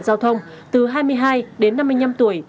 giao thông từ hai mươi hai đến năm mươi năm tuổi